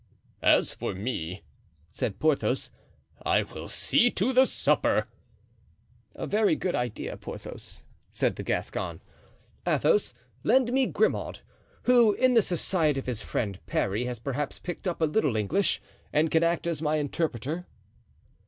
"As for me," said Porthos, "I will see to the supper." "A very good idea, Porthos," said the Gascon. "Athos lend me Grimaud, who in the society of his friend Parry has perhaps picked up a little English, and can act as my interpreter."